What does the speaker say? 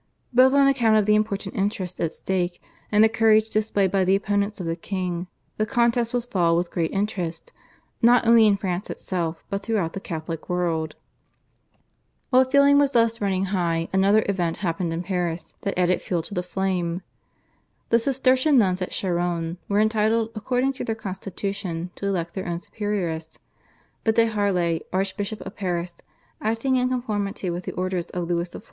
Both on account of the important interests at stake and the courage displayed by the opponents of the king the contest was followed with great interest not only in France itself but throughout the Catholic world. While feeling was thus running high another event happened in Paris that added fuel to the flame. The Cistercian nuns at Charonne were entitled according to their constitution to elect their own superioress, but de Harlay, Archbishop of Paris, acting in conformity with the orders of Louis XIV.